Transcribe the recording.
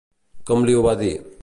Com li ho va dir?